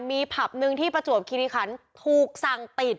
มีผับหนึ่งที่ประจวบคิริคันถูกสั่งปิด